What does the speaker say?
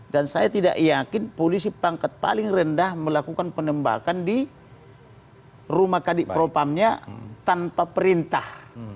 dan saya tidak yakin polisi pangkat paling rendah melakukan penembakan di rumah kadik propamnya tanpa perintah